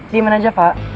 diam aja pak